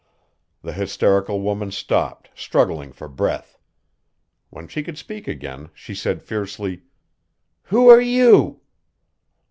The hysterical woman stopped, struggling for breath. When she could speak again she said fiercely: "Who are you?"